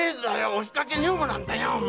押しかけ女房なんだよ！